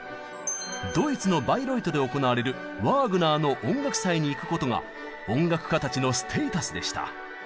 ドイツのバイロイトで行われるワーグナーの音楽祭に行くことが音楽家たちのステータスでした。